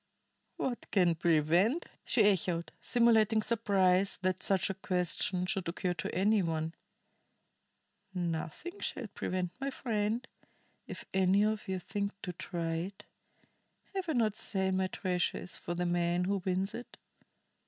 "What can prevent?" she echoed, simulating surprise that such a question should occur to any one. "Nothing shall prevent, my friend, if any of ye think to try it. Have I not said my treasure is for the man who wins it.